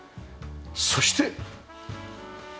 そして。